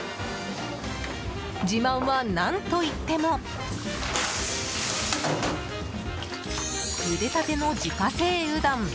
自慢は何といってもゆでたての自家製うどん。